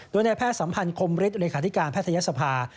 โดยในแพทย์สัมพันธ์คมฤทธิเลขาธิการแพทยศภา